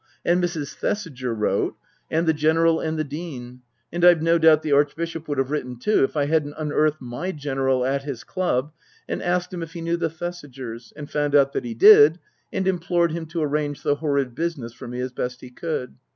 And Mrs. Thesiger wrote, and 18 Tasker Jevons the General and the Dean ; and I've no doubt the Arch bishop would have written too, if I hadn't unearthed my General at his club, and asked him if he knew the Thesigers, and found out that he did, and implored him to arrange the horrid business for me as best he could.